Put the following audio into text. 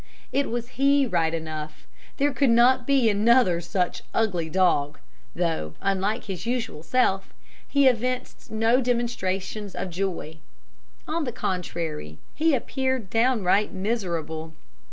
It was he right enough, there could not be another such ugly dog, though, unlike his usual self, he evinced no demonstrations of joy. On the contrary, he appeared downright miserable.